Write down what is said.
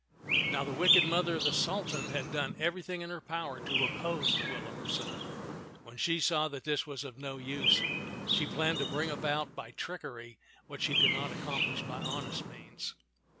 Now the wicked mother of the Sultan had done everything in her power to oppose the will of her son. When she saw that this was of no use, she planned to bring about by trickery what she could not accom plish by honest means.